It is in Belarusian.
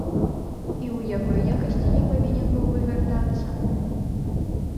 І ў якой якасці я павінен быў бы вяртацца?